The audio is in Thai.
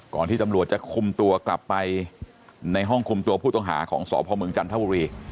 ที่ตำรวจจะคุมตัวกลับไปในห้องคุมตัวผู้ต้องหาของสพเมืองจันทบุรี